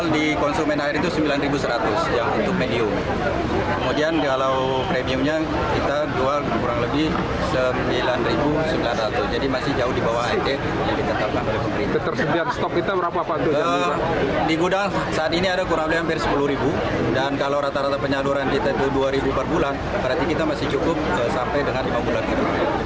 di gudang saat ini ada kurang lebih hampir sepuluh dan kalau rata rata penyaduran di t dua per bulan berarti kita masih cukup sampai dengan lima bulan